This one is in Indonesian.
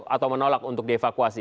atau menolak untuk dievakuasi